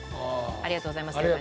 ありがとうございます。